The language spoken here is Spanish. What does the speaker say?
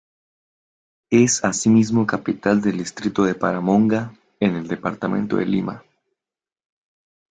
Es asimismo capital del distrito de Paramonga en el departamento de Lima.